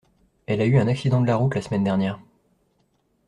Elle a eu un accident de la route la semaine dernière.